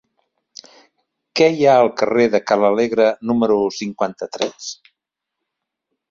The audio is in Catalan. Què hi ha al carrer de Ca l'Alegre número cinquanta-tres?